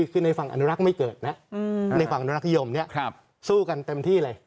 คือในฝั่งอนุรักษ์ไม่เกิดนะในฝั่งอนุรักษ์นิยมสู้กันเต็มที่เลย